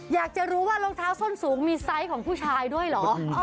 อยากจะรู้ว่ารองเท้าส้นสูงมีไซส์ของผู้ชายด้วยเหรอ